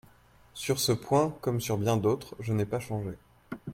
Sur ce point comme sur bien d’autres, je n’ai pas changé.